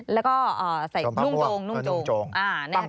แล้วก็ใส่นุ่งโจง